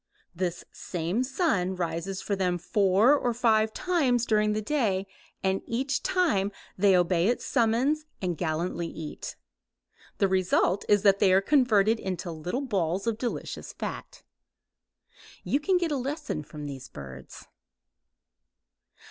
This same sun rises for them four or five times during the day and each time they obey its summons and gallantly eat. The result is that they are converted into little balls of delicious fat. You can get a lesson from these birds.